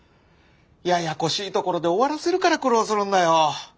ややこしいところで終わらせるから苦労するんだよ。